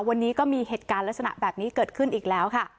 วันนี้ก็มีเหตุการณ์ลักษณะแบบนี้เกิดขึ้นอีกแล้วค่ะ